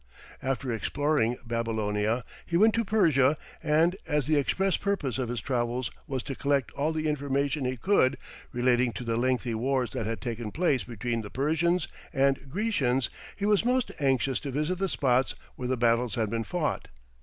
] After exploring Babylonia he went to Persia, and as the express purpose of his travels was to collect all the information he could relating to the lengthy wars that had taken place between the Persians and Grecians, he was most anxious to visit the spots where the battles had been fought.